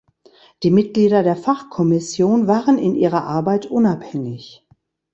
Die Mitglieder der Fachkommission waren in ihrer Arbeit unabhängig.